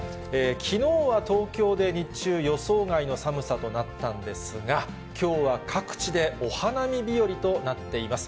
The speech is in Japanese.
きのうは東京で日中、予想外の寒さとなったんですが、きょうは各地でお花見日和となっています。